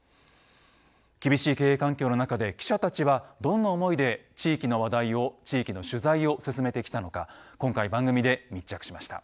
厳しい経営環境の中で記者たちはどんな思いで地域の話題を地域の取材を進めてきたのか今回番組で密着しました。